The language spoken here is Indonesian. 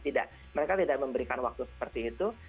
tidak mereka tidak memberikan waktu seperti itu